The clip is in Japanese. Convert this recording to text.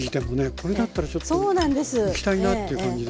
これだったらちょっといきたいなっていう感じですよね。